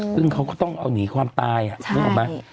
ซึ่งเขาก็ต้องเอาหนีความตายนึกออกไหม